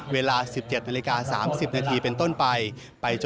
เวลา๑๗นาฬิกา๓๐นาทีเป็นต้นไป